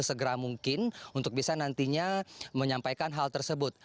segera mungkin untuk bisa nantinya menyampaikan hal tersebut